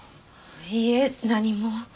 いいえ何も。